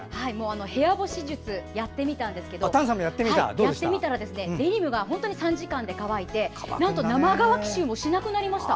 部屋干し術やってみたんですがデニムが本当に３時間で乾いてなんと生乾き臭もしなくなりました。